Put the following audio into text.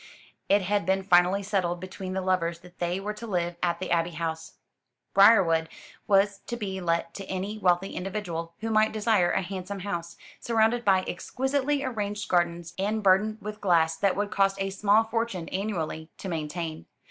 It had been finally settled between the lovers that they were to live at the Abbey House. Briarwood was to be let to any wealthy individual who might desire a handsome house, surrounded by exquisitely arranged gardens, and burdened with glass that would cost a small fortune annually to maintain.